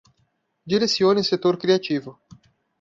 Direcione o setor criativo